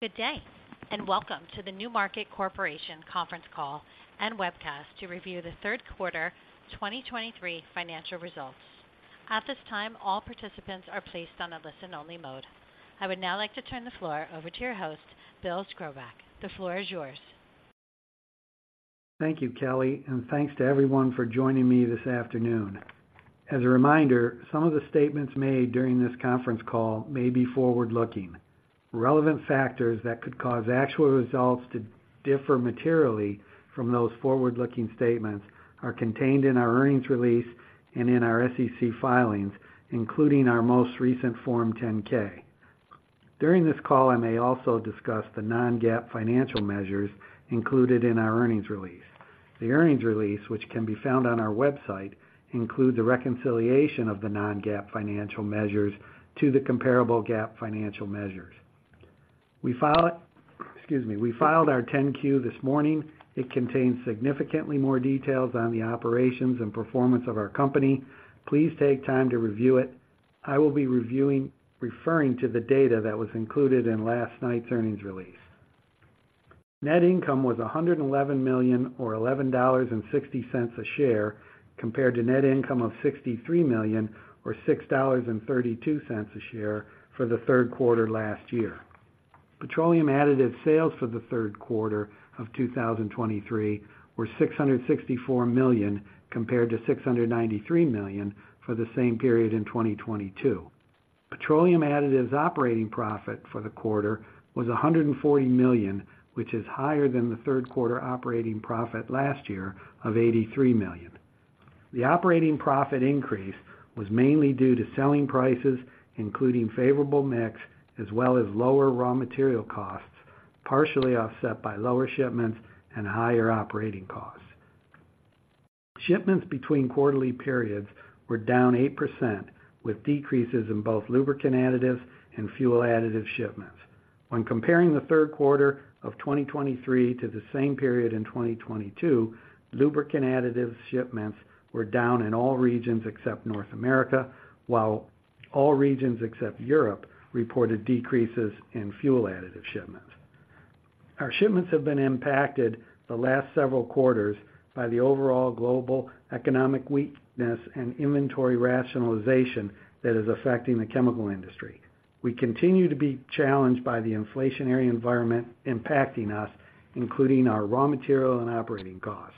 Good day, and welcome to the NewMarket Corporation conference call and webcast to review the third quarter 2023 financial results. At this time, all participants are placed on a listen-only mode. I would now like to turn the floor over to your host, Bill Skrobacz. The floor is yours. Thank you, Kelly, and thanks to everyone for joining me this afternoon. As a reminder, some of the statements made during this conference call may be forward-looking. Relevant factors that could cause actual results to differ materially from those forward-looking statements are contained in our earnings release and in our SEC filings, including our most recent Form 10-K. During this call, I may also discuss the non-GAAP financial measures included in our earnings release. The earnings release, which can be found on our website, includes a reconciliation of the non-GAAP financial measures to the comparable GAAP financial measures. We filed, excuse me, we filed our 10-Q this morning. It contains significantly more details on the operations and performance of our company. Please take time to review it. I will be reviewing—referring to the data that was included in last night's earnings release. Net income was $111 million, or $11.60 a share, compared to net income of $63 million, or $6.32 a share for the third quarter last year. Petroleum additive sales for the third quarter of 2023 were $664 million, compared to $693 million for the same period in 2022. Petroleum additives operating profit for the quarter was $140 million, which is higher than the third quarter operating profit last year of $83 million. The operating profit increase was mainly due to selling prices, including favorable mix, as well as lower raw material costs, partially offset by lower shipments and higher operating costs. Shipments between quarterly periods were down 8%, with decreases in both lubricant additives and fuel additive shipments. When comparing the third quarter of 2023 to the same period in 2022, lubricant additives shipments were down in all regions except North America, while all regions except Europe reported decreases in fuel additive shipments. Our shipments have been impacted the last several quarters by the overall global economic weakness and inventory rationalization that is affecting the chemical industry. We continue to be challenged by the inflationary environment impacting us, including our raw material and operating costs.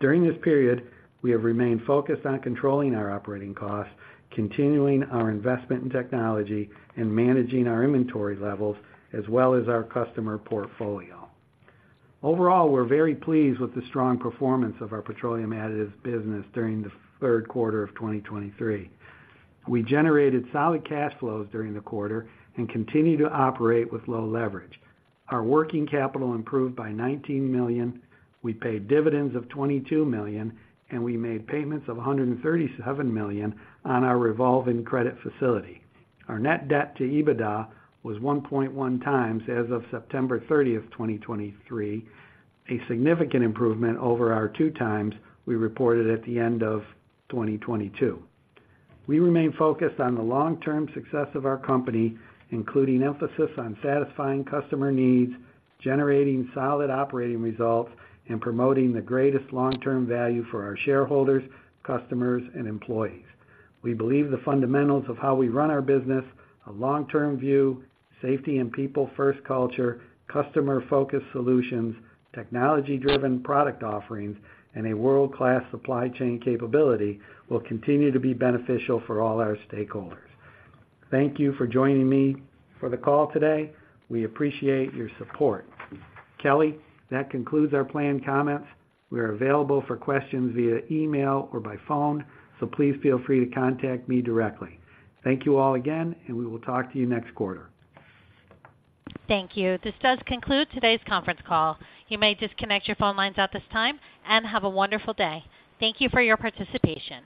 During this period, we have remained focused on controlling our operating costs, continuing our investment in technology and managing our inventory levels as well as our customer portfolio. Overall, we're very pleased with the strong performance of our petroleum additives business during the third quarter of 2023. We generated solid cash flows during the quarter and continued to operate with low leverage. Our working capital improved by $19 million, we paid dividends of $22 million, and we made payments of $137 million on our revolving credit facility. Our net debt to EBITDA was 1.1x as of September 30th, 2023, a significant improvement over our 2x we reported at the end of 2022. We remain focused on the long-term success of our company, including emphasis on satisfying customer needs, generating solid operating results, and promoting the greatest long-term value for our shareholders, customers, and employees. We believe the fundamentals of how we run our business, a long-term view, safety and people-first culture, customer-focused solutions, technology-driven product offerings, and a world-class supply chain capability will continue to be beneficial for all our stakeholders. Thank you for joining me for the call today. We appreciate your support. Kelly, that concludes our planned comments. We are available for questions via email or by phone, so please feel free to contact me directly. Thank you all again, and we will talk to you next quarter. Thank you. This does conclude today's conference call. You may disconnect your phone lines at this time and have a wonderful day. Thank you for your participation.